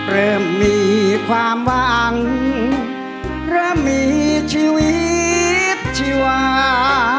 เริ่มมีความหวังเริ่มมีชีวิตชีวา